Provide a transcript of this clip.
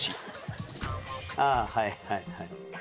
ああはいはいはい。